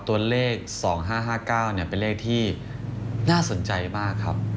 ตัวเลข๒๕๕๙เป็นเลขที่น่าสนใจมากครับ